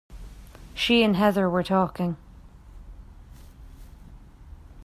She and Heather were talking.